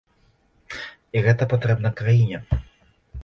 І гэта патрэбна краіне.